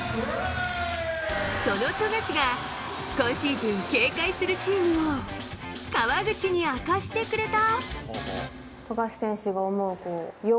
その富樫が今シーズン警戒するチームを川口に明かしてくれた。